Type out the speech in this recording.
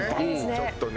ちょっとね。